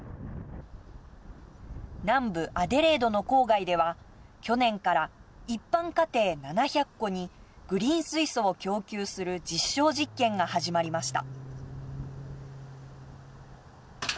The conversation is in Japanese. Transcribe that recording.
南部アデレードの郊外では去年から一般家庭７００戸にグリーン水素を供給する実証実験が始まりました。